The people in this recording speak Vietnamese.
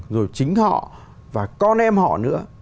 rồi chính họ và con em họ nữa